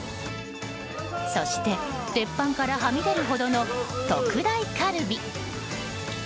そして、鉄板からはみ出るほどの特大カルビ。